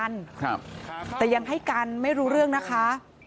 นั่งเยอะเร่นถนนก็เจ็บเหมือนกันแต่ยังให้กันไม่รู้เรื่องนะคะ